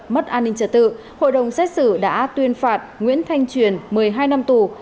mất an ninh trả tự hội đồng xét xử đã tuyên phạt nguyễn thanh truyền một mươi hai năm tù